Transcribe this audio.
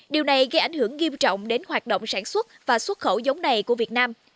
điều này gây ảnh hưởng nghiêm trọng đến hoạt động sản xuất và xuất khẩu giống này của việt nam